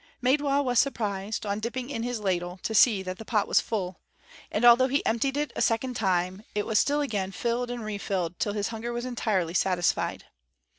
Maidwa was surprised, on dipping in his ladle, to see that the pot was full; and although he emptied it a second time, it was still again filled and refilled till his hunger was entirely satisfied.